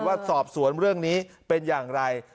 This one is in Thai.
ว่าสอบสวนเรื่องนี้เป็นอย่างไร